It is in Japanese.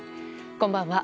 こんばんは。